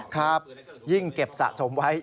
ครับยิ่งเก็บสะสมไว้